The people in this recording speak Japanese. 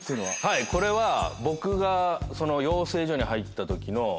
はいこれは僕が養成所に入った時の。